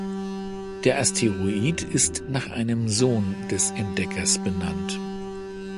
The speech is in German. Der Asteroid ist nach einem Sohn des Entdeckers benannt.